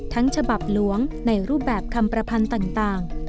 ฉบับหลวงในรูปแบบคำประพันธ์ต่าง